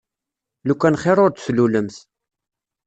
Lukan xir ur d-tlulemt.